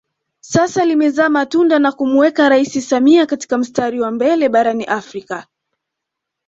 Sasa limezaa matunda na kumuweka rais Samia katika mstari wa mbele barani Afrika